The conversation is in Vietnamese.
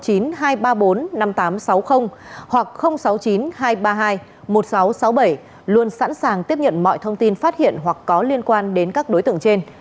cơ quan công an sáu mươi bảy luôn sẵn sàng tiếp nhận mọi thông tin phát hiện hoặc có liên quan đến các đối tượng trên